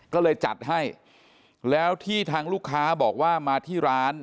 ก็เลยจัดให้แล้วที่ทางลูกค้าบอกว่ามาที่ร้าน